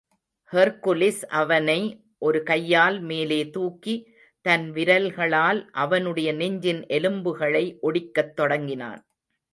Hercules, அவனை ஒரு கையால் மேலேதூக்கி, தன் விரல்களால் அவனுடைய நெஞ்சின் எலும்புகளை ஒடிக்கத் தொடங்கினான்.